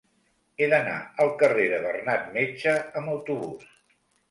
He d'anar al carrer de Bernat Metge amb autobús.